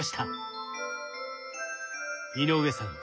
井上さん